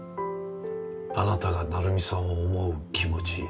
あなたが成美さんを思う気持ち